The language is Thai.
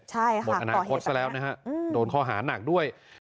หมดอนาคตแล้วนะครับโดนคอหาหนักด้วย